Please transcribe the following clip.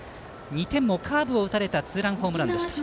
２点もカーブを打たれたツーランホームラン。